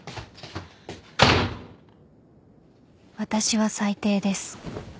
［私は最低です］